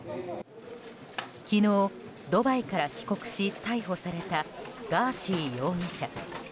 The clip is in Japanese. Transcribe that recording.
昨日、ドバイから帰国し逮捕されたガーシー容疑者。